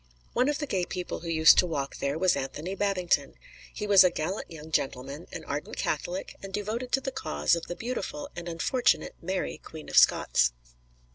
One of the gay people who used to walk there was Anthony Babington. He was a gallant young gentleman, an ardent Catholic, and devoted to the cause of the beautiful and unfortunate Mary Queen of Scots.